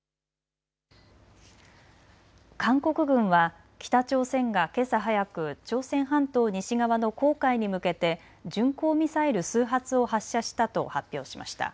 韓国軍は北朝鮮がけさ早く朝鮮半島西側の黄海に向けて巡航ミサイル数発を発射したと発表しました。